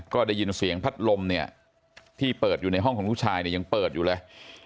ก็ได้ยินเสียงพัดลมเนี่ยที่เปิดอยู่ในห้องของลูกชายเนี่ยยังเปิดอยู่เลย